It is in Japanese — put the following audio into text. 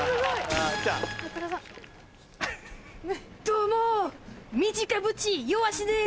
どうも。